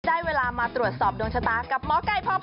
ได้เวลามาตรวจสอบดวงชะตากับหมอกัยพอพาทินีกันแล้วสวัสดีค่ะ